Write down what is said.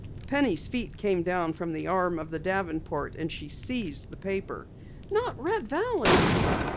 Penny's feet came down from the arm of the davenport and she seized the paper. "Not Red Valley?"